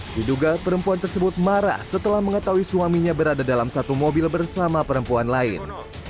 diduga perempuan tersebut marah setelah mengetahui suaminya berada dalam satu mobil bersama perempuan lain